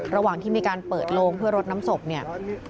ระหว่างที่มีการเปิดโลงเพื่อรดน้ำศพเนี่ย